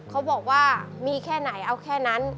เขาบอกว่ามีแค่ไหนเอาแค่นั้น